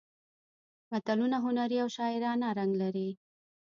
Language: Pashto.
متلونه هنري او شاعرانه رنګ لري